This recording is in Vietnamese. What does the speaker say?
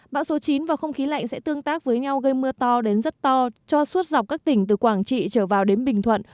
bão số chín và không khí lạnh sẽ tương tác với nhau gây mưa to đến rất to cho suốt dọc các tỉnh từ quảng trị trở vào đến bình thuận